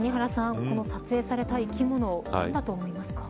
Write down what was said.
この撮影された生き物何だと思いますか。